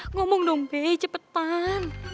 ngomong dong be cepetan